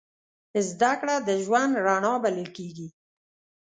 زدهکړه د ژوند رڼا بلل کېږي.